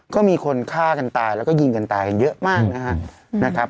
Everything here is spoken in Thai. ก็มีคนฆ่ากันตายแล้วก็ยิงกันตายกันเยอะมากนะครับ